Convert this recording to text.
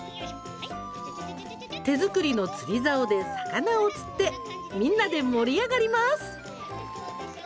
手作りの釣りざおで魚を釣ってみんなで盛り上がります。